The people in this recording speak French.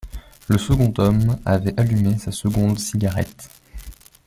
Le second homme avait allumé sa seconde cigarette.